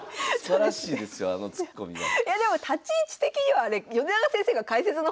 いやでも立ち位置的にはあれ米長先生が解説の方でしたけどね。